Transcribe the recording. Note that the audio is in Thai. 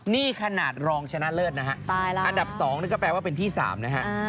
นี่ขนาดรองชนะเลิศนะฮะอันดับ๒นี่ก็แปลว่าเป็นที่๓นะฮะ